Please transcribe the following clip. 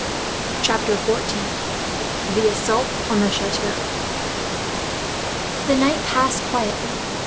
Chapter 14: The Assault On The Chateau. The night passed quietly.